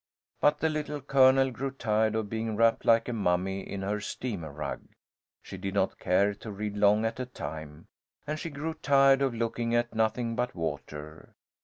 But the Little Colonel grew tired of being wrapped like a mummy in her steamer rug. She did not care to read long at a time, and she grew tired of looking at nothing but water.